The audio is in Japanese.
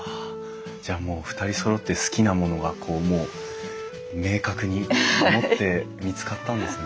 じゃあもう２人そろって好きなものがこうもう明確に見つかったんですね。